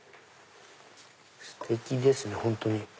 ステキですね本当に。